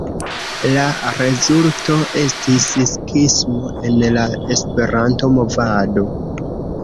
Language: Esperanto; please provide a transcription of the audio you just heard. La rezulto estis skismo en la esperanto-movado.